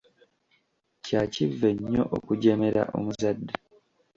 Kya kivve nnyo okujeemera omuzadde.